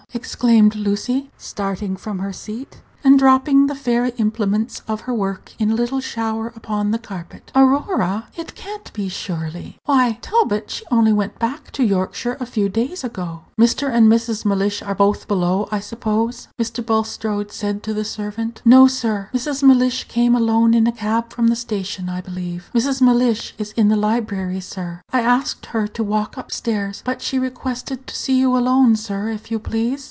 exclaimed Lucy, starting from her seat and dropping the fairy implements of her work in a little shower upon the carpet; "Aurora!" It can't be, surely? Why, Talbot, she only went back to Yorkshire a few days ago." "Mr. and Mrs. Mellish are both below, I suppose?" Mr. Bulstrode said to the servant. "No, sir; Mrs. Mellish came alone in a cab from the station, I believe. Mrs. Mellish is in the library, sir. I asked her to walk up stairs, but she requested to see you alone, sir, if you please."